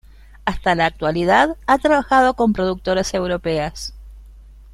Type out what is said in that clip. Hasta la actualidad, ha trabajado con productoras europeas.